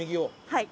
はい。